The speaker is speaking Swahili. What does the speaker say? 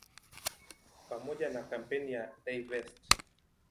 Pamoja na kampeni ya "Divest!